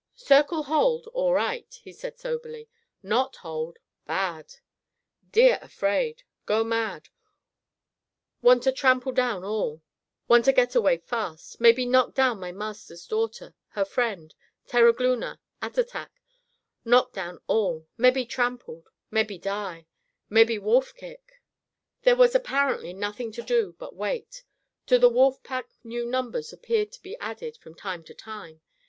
"Circle hold, all right," he said soberly. "Not hold, bad! Deer afraid. Go mad. Want'a trample down all; want'a get away fast. Mebby knock down my master's daughter, her friend, Terogloona, Attatak; knock down all; mebby trampled. Mebby die. Mebby wolf kill." There was apparently nothing to do but wait. To the wolf pack new numbers appeared to be added from time to time.